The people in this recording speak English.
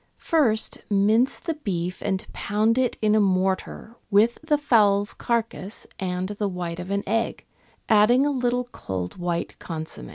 First, mince the beef and pound it in a mortar with the fowl's carcase and the white of egg, adding a little cold white consomm^.